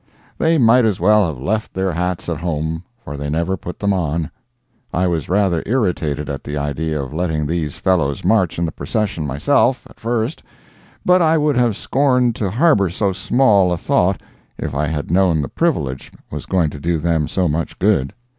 They might as well have left their hats at home, for they never put them on. I was rather irritated at the idea of letting these fellows march in the procession myself, at first, but I would have scorned to harbor so small a thought if I had known the privilege was going to do them so much good.